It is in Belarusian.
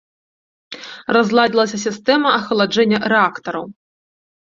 Разладзілася сістэма ахаладжэння рэактараў.